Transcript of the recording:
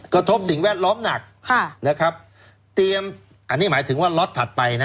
สิ่งแวดล้อมหนักค่ะนะครับเตรียมอันนี้หมายถึงว่าล็อตถัดไปนะ